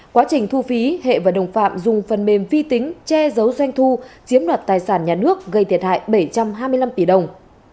quá trình thu phí hệ và đồng phạm dùng phần mềm vi tính che giấu doanh thu chiếm đoạt tài sản nhà nước gây thiệt hại bảy trăm hai mươi năm tỷ đồng